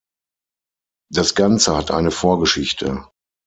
Das Ganze hat eine Vorgeschichte.